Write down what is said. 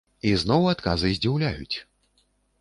І зноў адказы здзіўляюць!